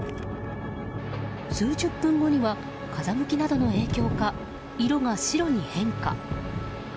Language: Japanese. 数十分後には風向きなどの影響か色が白に変化。